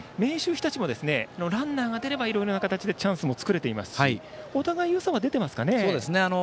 日立もランナーが出ればいろいろな形でチャンスも作れていますしお互いによさは出ていますかね。